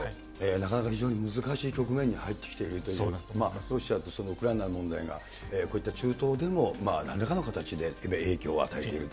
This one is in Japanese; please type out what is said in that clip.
なかなか非常に難しい局面に入ってきているというような、ロシアとウクライナの問題が、こういった中東でもなんらかの形で今、影響を与えていると。